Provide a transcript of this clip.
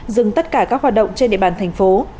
dừng tất cả các hoạt động trên địa bàn thành phố